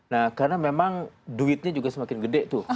nah karena memang duitnya juga semakin gede tuh